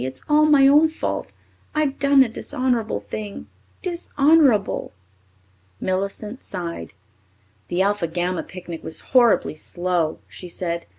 It's all my own fault. I've done a dishonourable thing, dishonourable." Millicent sighed. "The Alpha Gamma picnic was horribly slow," she said.